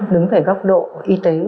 đứng về góc độ y tế